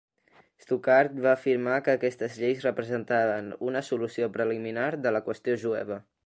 Stuckart va afirmar que aquestes lleis representaven "una solució preliminar de la qüestió jueva".